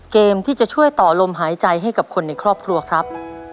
เกมที่จะช่วยต่อลมหายใจให้กับคนในครอบครัวครับ